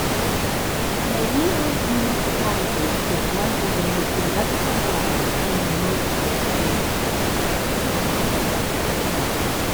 Maia Municipality is one of the most industrialized in the Norte Region.